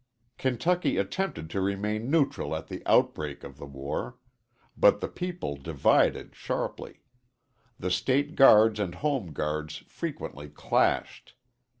Kentucky attempted to remain neutral at the outbreak of the war. But the people divided sharply. The State Guards and Home Guards frequently clashed.